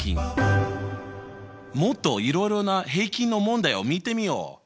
もっといろいろな平均の問題を見てみよう！